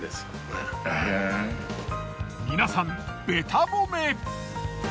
皆さんべた褒め。